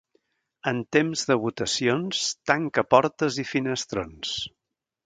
En temps de votacions, tanca portes i finestrons.